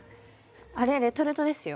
あれレトルトですよ。